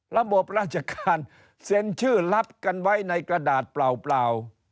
ระบบราชการเซ็นชื่อรับกันไว้ในกระดาษเปล่า